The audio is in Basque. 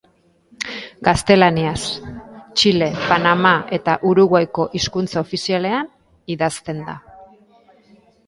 Gaztelaniaz, Txile, Panama eta Uruguaiko hizkuntza ofizialean, idazten da.